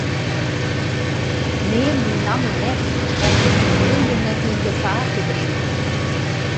Neam myn namme net om myn famylje net yn gefaar te bringen.